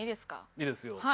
いいですよ。